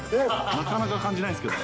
なかなか感じないんですけど。